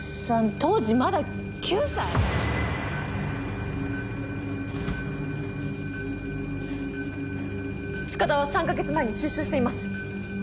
当時まだ９歳⁉塚田は３か月前に出所しています。